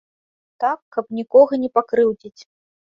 Так, каб нікога не пакрыўдзіць.